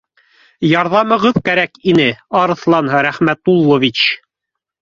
— Ярҙамығыҙ кәрәк ине, Арыҫлан Рәхмәтуллович